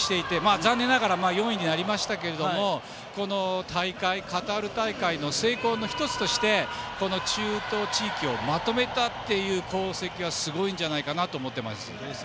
残念ながら４位になりましたがこのカタール大会の成功の１つとしてこの中東地域をまとめたという功績がすごいんじゃないかなと思います。